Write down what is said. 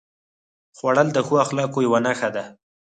خوړل د ښو اخلاقو یوه نښه ده